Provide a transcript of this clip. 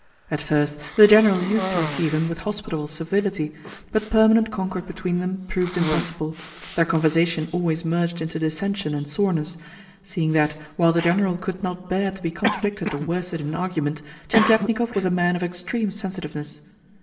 At first the General used to receive him with hospitable civility, but permanent concord between them proved impossible; their conversation always merged into dissension and soreness, seeing that, while the General could not bear to be contradicted or worsted in an argument, Tientietnikov was a man of extreme sensitiveness.